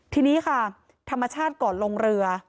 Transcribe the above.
ทีนี้ค่ะธรรมชาติก่อนลงเรือ